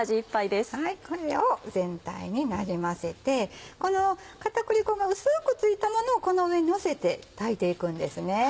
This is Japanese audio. これを全体になじませてこの片栗粉が薄く付いたものをこの上にのせて炊いていくんですね。